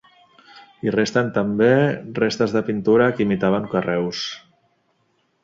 Hi resten també restes de pintura que imitaven carreus.